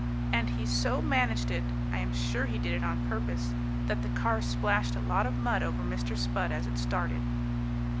And he so managed it I am sure he did it on purpose that the car splashed a lot of mud over Mr. Spudd as it started."